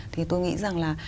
thì tôi nghĩ rằng là